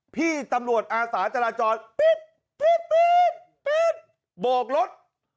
พี่ตำรวจอาสาจราจรปิ๊บปิ๊บปิ๊บปิ๊บโบกรถ